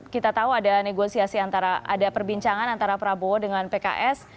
kita tahu ada negosiasi antara ada perbincangan antara prabowo dengan pks